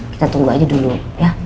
kita tunggu aja dulu ya